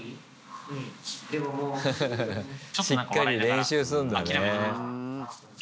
しっかり練習すんだね。